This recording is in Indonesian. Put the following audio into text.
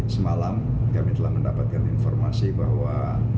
semalam kami telah mendapatkan informasi bahwa